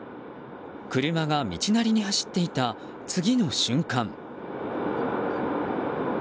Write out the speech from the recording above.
車が道なりに走っていた次の瞬間。